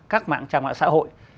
các mạng trang mạng xã hội